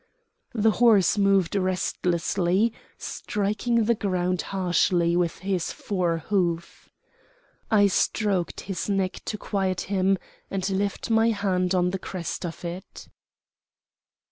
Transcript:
The horse moved restlessly, striking the ground harshly with his fore hoof. I stroked his neck to quiet him and left my hand on the crest of it.